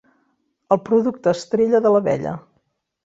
El producte estrella de l'abella.